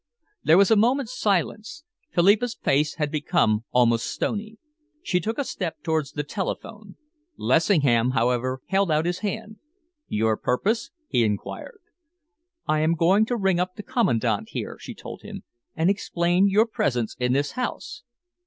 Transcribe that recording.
There was a moment's silence. Philippa's face had become almost stony. She took a step towards the telephone. Lessingham, however, held out his hand. "Your purpose?" he enquired. "I am going to ring up the Commandant here," she told him, "and explain your presence in this house."